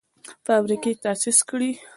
فابریکې تاسیس کړي.